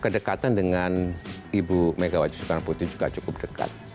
dekatan dengan ibu megawati soekarno putih juga cukup dekat